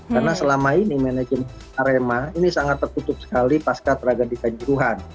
karena selama ini manajemen arema ini sangat tertutup sekali pasca teragam dikanjuruhan